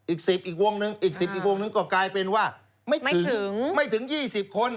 อีก๑๐อีกวงหนึ่งก็กลายเป็นว่าไม่ถึง๒๐คน